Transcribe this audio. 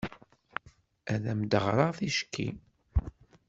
Ad am-d-ɣreɣ ticki.